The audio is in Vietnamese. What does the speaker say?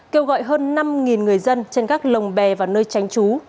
kêu gọi hơn năm người dân trên các lồng bè vào nơi tránh trú